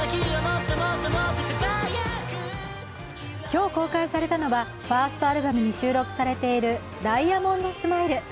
今日公開されたのはファーストアルバムに収録されている「ダイヤモンドスマイル」。